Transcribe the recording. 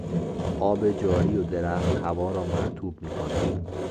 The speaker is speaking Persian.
آب جاری و درخت هوا را مرطوب میکند.